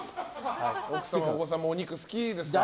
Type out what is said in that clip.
奥様、お子様もお肉好きですか。